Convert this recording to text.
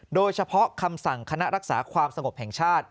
โดยเฉพาะคำสั่งคณะรักษาความสงบแห่งชาติ